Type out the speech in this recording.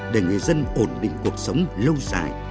để người dân ổn định cuộc sống lâu dài